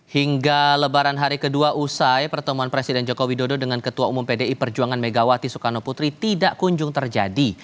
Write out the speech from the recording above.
hingga lebaran hari kedua usai pertemuan presiden joko widodo dengan ketua umum pdi perjuangan megawati soekarno putri tidak kunjung terjadi